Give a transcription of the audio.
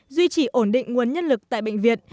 duy trì ổn định nguồn nhân lực tại bệnh viện